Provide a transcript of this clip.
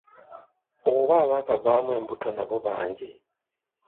Oba abaakavaamu embuto nabo bangi.